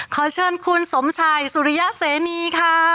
ขอเชิญคุณสมชัยสุริยะเสนีค่ะ